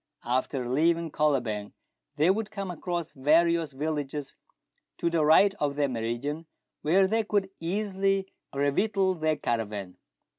After leaving Kolobeng they would come across various villages to the right of their meridian, where they could easily revictual their caravan.